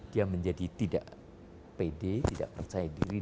dia menjadi tidak pede tidak percaya diri